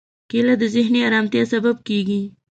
کېله د ذهني ارامتیا سبب کېږي.